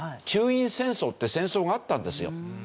中印戦争って戦争があったんですよ。